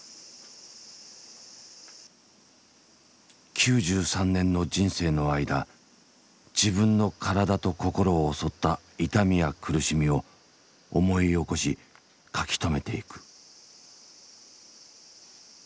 ９３年の人生の間自分の体と心を襲った痛みや苦しみを思い起こし書き留めていく。